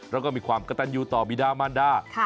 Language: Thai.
แล้วก็มีความกระตันยูต่อบิดามันดา